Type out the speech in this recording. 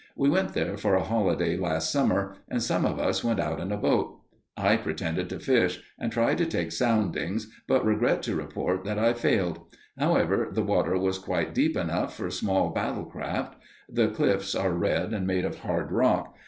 We went there for a holiday last summer, and some of us went out in a boat. I pretended to fish and tried to take soundings, but regret to report that I failed. However, the water was quite deep enough for small battle craft. The cliffs are red and made of hard rock.